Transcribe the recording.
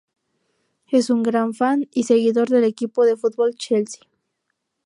Es un gran fan y seguidor del equipo de fútbol Chelsea.